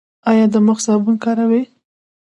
ایا د مخ صابون کاروئ؟